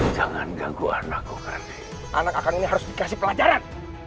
jangan ganggu anakku anak akan harus dikasih pelajaran